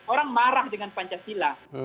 orang marah dengan pancasila